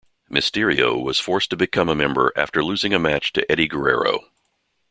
Mysterio was forced to become a member after losing a match to Eddie Guerrero.